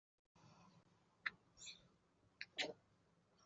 解夫娄迁都之后国号东扶余。